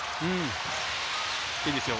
いいですよ。